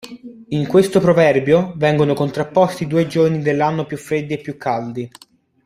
In questo proverbio vengono contrapposti i due giorni dell'anno più freddi e più caldi.